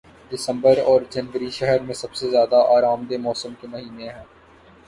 دسمبر اور جنوری شہر میں سب سے زیادہ آرام دہ موسم کے مہینے ہیں